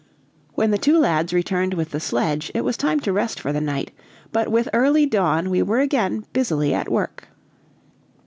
When the two lads returned with the sledge, it was time to rest for the night; but with early dawn we were again busily at work.